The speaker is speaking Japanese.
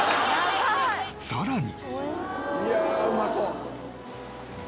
さらに